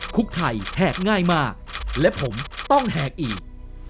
คุกไทยแหกง่ายมากและผมต้องแหกอีก